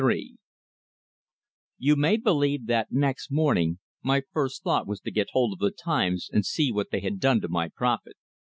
XLIII You may believe that next morning my first thought was to get hold of the "Times" and see what they had done to my prophet.